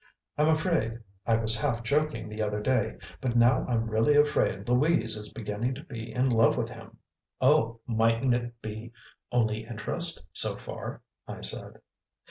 "I'm afraid I was half joking the other day but now I'm really afraid Louise is beginning to be in love with him." "Oh, mightn't it be only interest, so far?" I said.